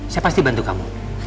saya pasti bantu kamu